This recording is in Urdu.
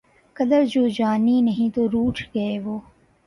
قدر جو جانی نہیں تو روٹھ گئے وہ